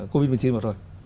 covid một mươi chín vừa rồi